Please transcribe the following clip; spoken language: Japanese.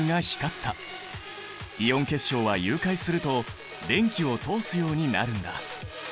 イオン結晶は融解すると電気を通すようになるんだ。